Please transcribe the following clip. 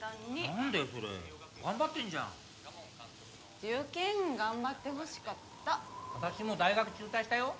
何だよそれ頑張ってんじゃん受験頑張ってほしかった私も大学中退したよ